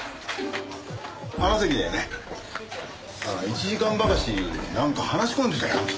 あの席で１時間ばかしなんか話し込んでたよ。